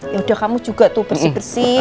ya udah kamu juga tuh bersih bersih